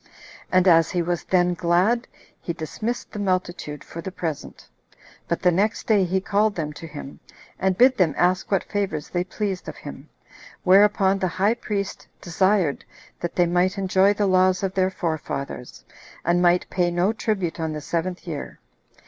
And as he was then glad, he dismissed the multitude for the present; but the next day he called them to him, and bid them ask what favors they pleased of him; whereupon the high priest desired that they might enjoy the laws of their forefathers, and might pay no tribute on the seventh year.